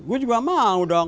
gua juga mau dong